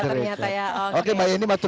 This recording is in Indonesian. terima kasih mbak yeni terima kasih